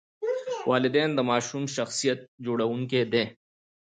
والدین د ماشوم شخصیت جوړونکي دي.